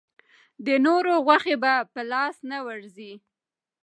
د نورو غوښې په لاس نه وررسي.